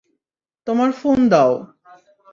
তোমার ফোন দাও।